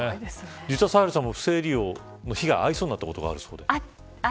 サヘルさんも不正利用の被害に遭いそうになったことがあるそうで。